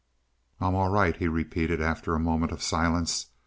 "I'm all right," he repeated after a moment of silence.